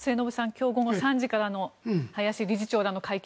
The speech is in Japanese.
今日午後３時からの林理事長らの会見